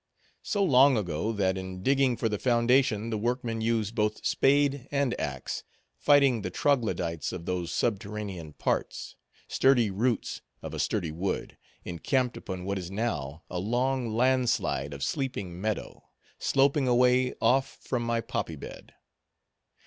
So long ago, that, in digging for the foundation, the workmen used both spade and axe, fighting the Troglodytes of those subterranean parts—sturdy roots of a sturdy wood, encamped upon what is now a long land slide of sleeping meadow, sloping away off from my poppy bed.